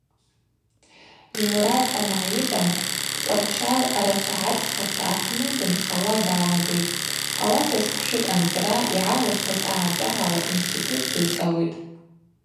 Ймурад ангӏайыдамхӏв Ткъварчал арачвагӏацӏхырта апны дынхауа далагитӏ, ауаса сквшыкӏ анцӏра йгӏалихыз аъачӏвагӏала аинститут дыцӏалитӏ.